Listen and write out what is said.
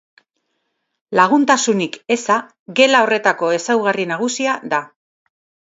Laguntasunik eza gela horretako ezaugarri nagusia da.